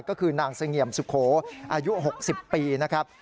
ก็คือนางเสงี่ยมสุโขอายุ๖๐ปีนะครับ